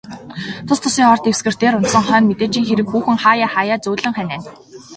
Тус тусын ор дэвсгэр дээр унтсан хойно, мэдээжийн хэрэг хүүхэн хааяа хааяа зөөлөн ханиана.